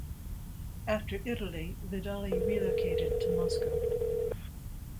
After Italy, Vidali relocated to Moscow.